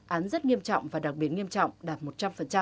án rất nghiêm trọng và đặc biệt nghiêm trọng đạt một trăm linh